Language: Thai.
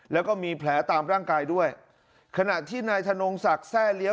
แล้วก็มีแผลตามร่างกายด้วยขณะที่นายธนงศักดิ์แทร่เลี้ย